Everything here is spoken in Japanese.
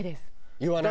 言わない。